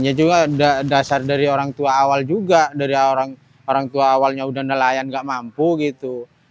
ya juga dasar dari orang tua awal juga dari orang tua awalnya udah nelayan nggak mampu gitu